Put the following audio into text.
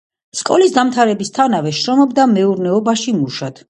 სკოლის დამთავრებისთანავე შრომობდა მეურნეობაში მუშად.